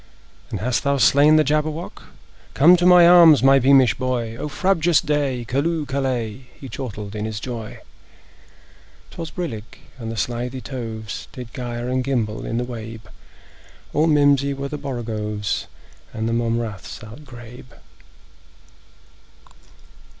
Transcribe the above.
"And hast thou slain the Jabberwock? Come to my arms, my beamish boy! O frabjous day! Callooh! Callay!" He chortled in his joy. 'Twas brillig, and the slithy toves Did gyre and gimble in the wabe; All mimsy were the borogoves, And the mome raths outgrabe.